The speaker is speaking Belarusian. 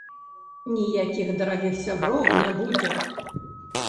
Ніякіх дарагіх сяброў не будзе.